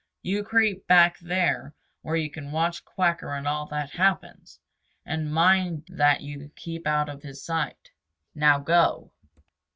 You creep back there where you can watch Quacker and all that happens, and mind that you keep out of his sight. Now go."